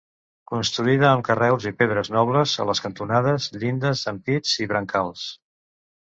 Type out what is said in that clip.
Construïda amb carreus i pedres nobles a les cantonades, llindes, ampits i brancals.